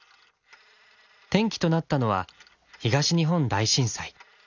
転機となったのは東日本大震災。